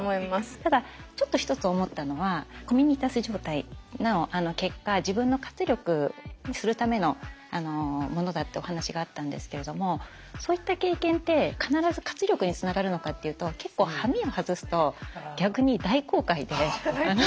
ただちょっと一つ思ったのはコミュニタス状態の結果自分の活力にするためのものだってお話があったんですけれどもそういった経験って必ず活力につながるのかっていうと結構その辺りって。